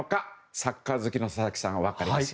サッカー好きの佐々木さん分かりますか。